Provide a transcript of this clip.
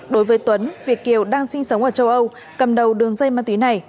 đối với tuấn việt kiều đang sinh sống ở châu âu cầm đầu đường dây ma túy này